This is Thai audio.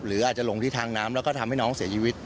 หรืออาจจะหลงที่ทางน้ำแล้วก็ทำให้น้องเสียชีวิต